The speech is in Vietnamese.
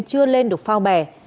chưa lên được phao bè